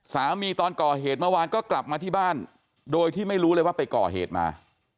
ตอนก่อเหตุเมื่อวานก็กลับมาที่บ้านโดยที่ไม่รู้เลยว่าไปก่อเหตุมา